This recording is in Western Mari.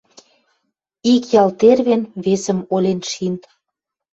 Ик ял тервен весӹм олен шин